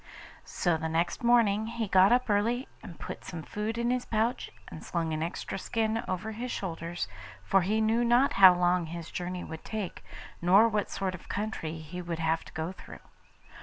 So the next morning he got up early, and put some food in his pouch and slung an extra skin over his shoulders, for he knew not how long his journey would take, nor what sort of country he would have to go through.